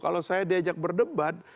kalau saya diajak berdebat